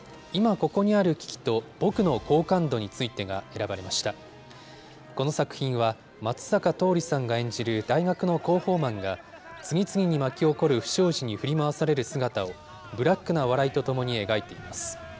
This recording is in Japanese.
この作品は、松坂桃李さんが演じる大学の広報マンが、次々に巻き起こる不祥事に振り回される姿をブラックな笑いとともに描いています。